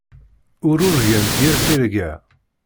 Ur urgant yir tirga.